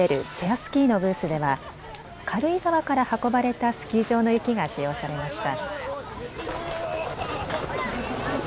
スキーのブースでは軽井沢から運ばれたスキー場の雪が使用されました。